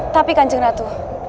tapi kanjeng ratu